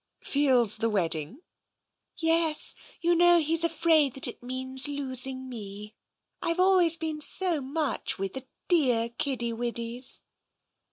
" Feels the wedding? "" Yes, you know, he's afraid that it means losing me. Fve always been so much with the dear kiddie widdies."